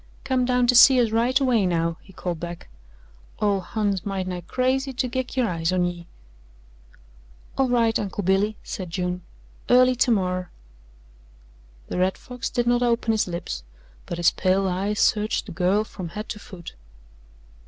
"Come down to see us right away now," he called back. "Ole Hon's might nigh crazy to git her eyes on ye." "All right, Uncle Billy," said June, "early termorrer." The Red Fox did not open his lips, but his pale eyes searched the girl from head to foot.